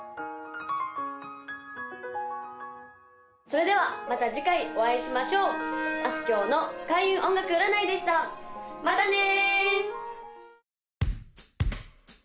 それではまた次回お会いしましょうあすきょうの開運音楽占いでしたまたね！